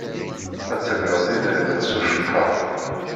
Ad d-tegreḍ idrimen s ucekkaṛ.